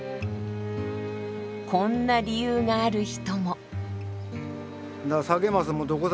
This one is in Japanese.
こんな理由がある人も。